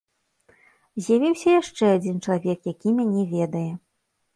З'явіўся яшчэ адзін чалавек, які мяне ведае.